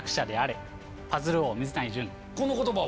この言葉は？